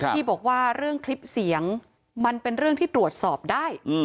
ที่บอกว่าเรื่องคลิปเสียงมันเป็นเรื่องที่ตรวจสอบได้